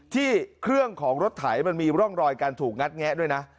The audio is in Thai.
ที่เครื่องของรถไถมันมีร่องรอยการถูกงัดแงะด้วยนะ